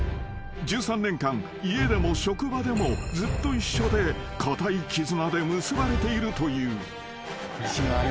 ［１３年間家でも職場でもずっと一緒で固い絆で結ばれているという］